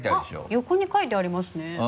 横に書いてありますね。